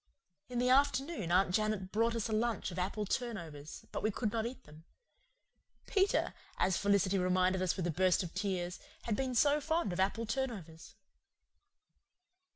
In the afternoon Aunt Janet brought us a lunch of apple turnovers; but we could not eat them. Peter, as Felicity reminded us with a burst of tears, had been so fond of apple turnovers.